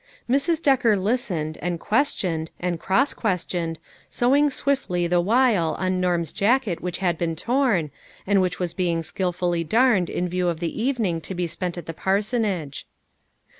Mrs. Decker listened, and questioned and, cross questioned, sewing swiftly the while on Norm's jacket which had been torn, and which was being skilfully darned in view of the even ing to be spent at the parsonage.